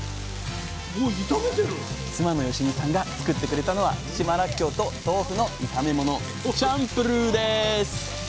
妻の由美さんが作ってくれたのは島らっきょうと豆腐の炒め物チャンプルーです！